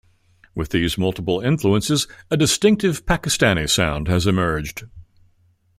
With these multiple influences, a distinctive Pakistani sound has emerged.